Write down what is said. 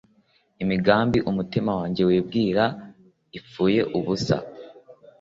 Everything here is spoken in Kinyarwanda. imigambi umutima wanjye wibwiraga ipfuye ubusa